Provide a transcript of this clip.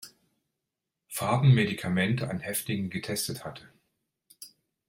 Farben Medikamente an Häftlingen getestet hatte.